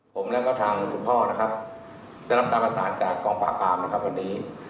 ผมแล้วก็ทางคุณพ่อนะครับได้รับการประสานจากกองปราบปรามนะครับวันนี้